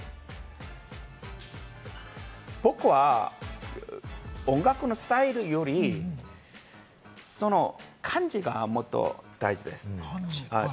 僕は音楽のスタイルより、その感じがもっと大好きです。